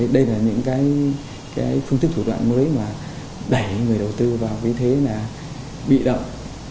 đây là những phương thức thủ đoạn mới mà đẩy người đầu tư vào cái thế là bị động